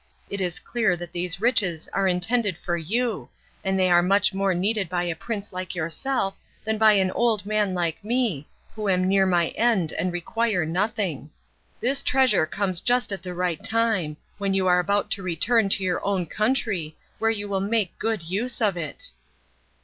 It is clear that these riches are intended for you, and they are much more needed by a prince like yourself than by an old man like me, who am near my end and require nothing. This treasure comes just at the right time, when you are about to return to your own country, where you will make good use of it."